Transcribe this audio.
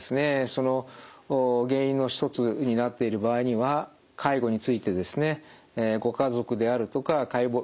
その原因の一つになっている場合には介護についてですねご家族であるとか介護